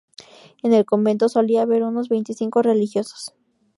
En el convento solía haber unos veinticinco religiosos.